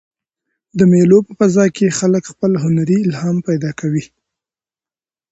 د مېلو په فضا کښي خلک خپل هنري الهام پیدا کوي.